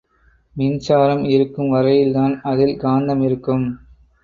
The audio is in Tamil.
மின்சாரம் இருக்கும் வரையில்தான் அதில் காந்தம் இருக்கும்.